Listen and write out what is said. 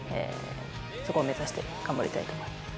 そこを目指して頑張りたいと思います。